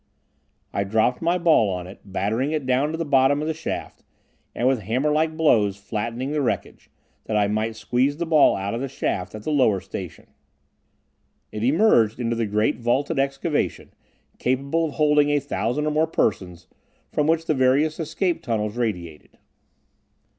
I dropped my ball on it, battering it down to the bottom of the shaft, and with hammer like blows flattening the wreckage, that I might squeeze the ball out of the shaft at the lower station. It emerged into the great vaulted excavation, capable of holding a thousand or more persons, from which the various escape tunnels radiated.